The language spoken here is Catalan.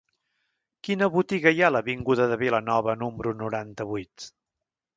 Quina botiga hi ha a l'avinguda de Vilanova número noranta-vuit?